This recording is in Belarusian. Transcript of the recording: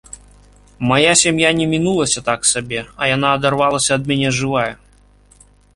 Мая сям'я не мінулася так сабе, а яна адарвалася ад мяне жывая.